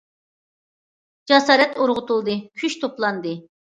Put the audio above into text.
جاسارەت ئۇرغۇتۇلدى، كۈچ توپلاندى.